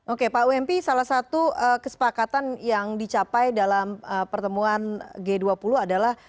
oke pak ump salah satu kesepakatan yang dicapai dalam pertemuan g dua puluh adalah